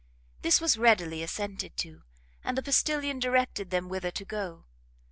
This was readily assented to, and the postilion directed them whither to go.